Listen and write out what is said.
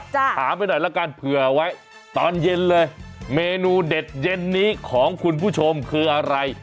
ถามไปหน่อยละกันเผื่อไว้ตอนเย็นเลยเมนูเด็ดเย็นนี้ของคุณผู้ชมคืออะไร